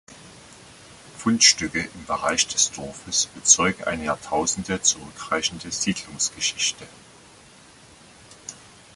Fundstücke im Bereich des Dorfes bezeugen eine Jahrtausende zurückreichende Siedlungsgeschichte.